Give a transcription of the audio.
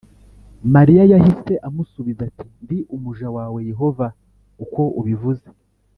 Mariya yahise amusubiza ati ndi umuja wa yehova uko ubivuze